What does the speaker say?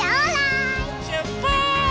しゅっぱつ！